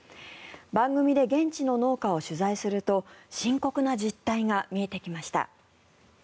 番組で現地の農家を取材すると深刻な実態が見えてきました。